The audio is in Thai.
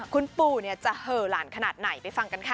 คุณปู่จะเหอะหลานขนาดไหนไปฟังกันค่ะ